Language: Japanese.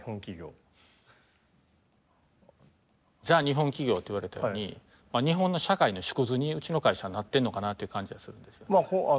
「ザ日本企業」と言われたように日本の社会の縮図にうちの会社はなってるのかなという感じはするんですよね。